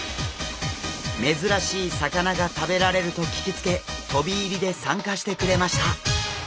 珍しい魚が食べられると聞きつけ飛び入りで参加してくれました。